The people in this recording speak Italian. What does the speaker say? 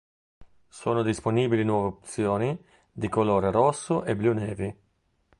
Sono disponibili nuove opzioni di colore rosso e blu navy.